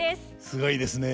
すごいですね。